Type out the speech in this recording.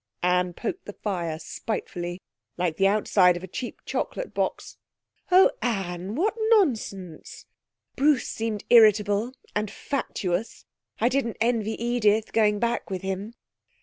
Anne poked the fire spitefully. 'Like the outside of a cheap chocolate box.' 'Oh, Anne, what nonsense! Bruce seemed irritable, and fatuous. I didn't envy Edith going back with him.'